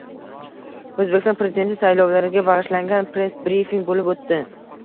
O‘zbekiston Prezidenti saylovlariga bag‘ishlangan press-brifing bo‘lib o‘tdi